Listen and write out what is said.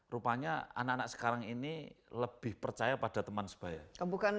rupanya anak anak sekarang ini lebih percaya pada teman sebaya